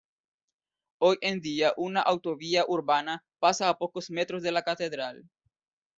Hoy en día una autovía urbana pasa a pocos metros de la catedral.